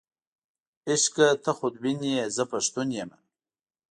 عشقه ته خودبین یې، زه پښتون یمه.